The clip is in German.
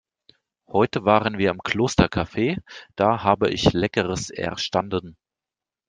Heute waren wir im Klostercafe, da habe ich Leckeres erstanden.